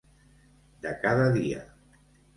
De cada dia.